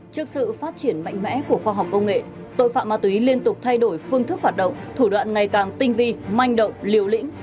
trước sự phát triển mạnh mẽ của khoa học công nghệ tội phạm ma túy liên tục thay đổi phương thức hoạt động thủ đoạn ngày càng tinh vi manh động liều lĩnh